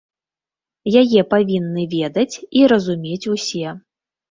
Яе павінны ведаць і разумець усе.